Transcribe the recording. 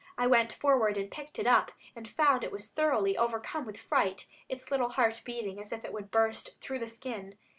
I went forward and picked it up and found it was thoroughly overcome with fright, its little heart beating as if it would burst through the skin.